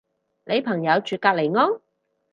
你朋友住隔離屋？